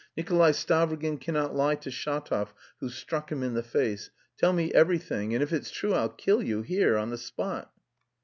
"Nikolay Stavrogin cannot lie to Shatov, who struck him in the face. Tell me everything, and if it's true I'll kill you, here, on the spot!"